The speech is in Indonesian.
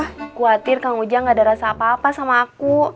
khawatir kang ujang gak ada rasa apa apa sama aku